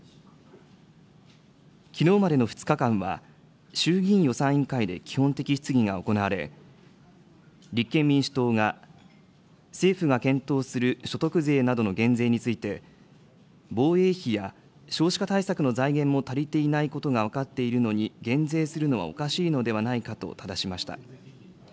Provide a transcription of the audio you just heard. きのうまでの２日間は、衆議院予算委員会で基本的質疑が行われ、立憲民主党が、政府が検討する所得税などの減税について、防衛費や少子化対策の財源も足りていないことが分かっているのに、減税するのはおかしいのではないかとただしました。